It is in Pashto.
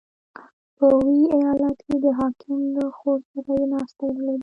• په ویي ایالت کې د حاکم له خور سره یې ناسته درلوده.